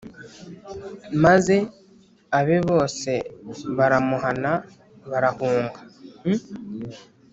Maze abe bose baramuhana barahunga